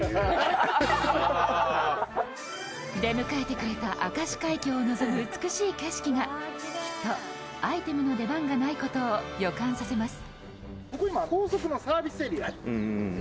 出迎えてくれた明石海峡を望む美しい景色がきっとアイテムの出番がないことを予感させます。